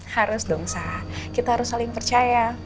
harus dong sah kita harus saling percaya